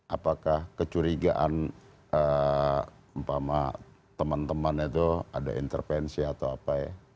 apakah kecurigaan teman teman itu ada intervensi atau apa ya